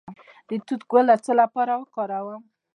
د توت ګل د څه لپاره وکاروم؟